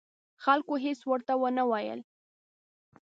خلکو هېڅ ورته ونه ویل.